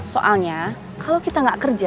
soalnya kalau kita nggak kerja